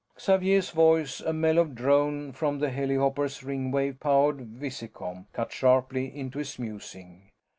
Xavier's voice, a mellow drone from the helihopper's Ringwave powered visicom, cut sharply into his musing.